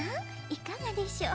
いかがでしょう。